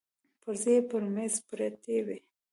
پرزې يې پر مېز پرتې وې.